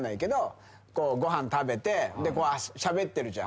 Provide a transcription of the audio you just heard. こうご飯食べてしゃべってるじゃん。